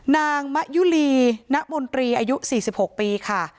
นางมะยุรีณมนตรีอายุ๔๖ปีค่ะ